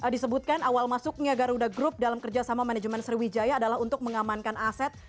disebutkan awal masuknya garuda group dalam kerjasama manajemen sriwijaya adalah untuk mengamankan aset